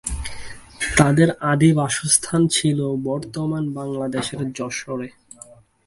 তাদের আদি বাসস্থান ছিল বর্তমান বাংলাদেশের যশোরে।